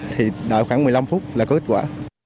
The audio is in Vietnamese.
thì nợ khoảng một mươi năm phút là có kết quả